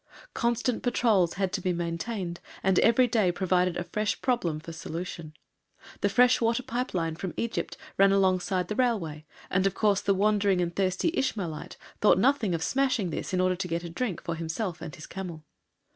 Constant patrols had to be maintained, and every day provided a fresh problem for solution. The fresh water pipe line from Egypt ran alongside the railway and, of course, the wandering and thirsty Ishmaelite thought nothing of smashing this in order to get a drink for himself and his camel.